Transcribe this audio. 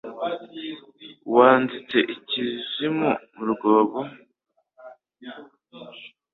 Wanzitse ikuzimu mu rwobo